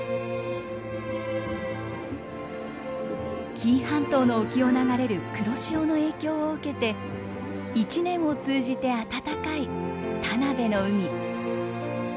紀伊半島の沖を流れる黒潮の影響を受けて一年を通じて暖かい田辺の海。